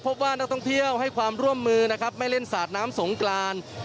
พบว่านักท่องเที่ยวให้ความร่วมมือนะครับไม่เล่นสาดน้ำสงกราน